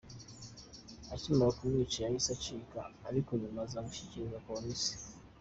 Akimara kumwica yahise acika, ariko nyuma aza kwishyikirika Polisi.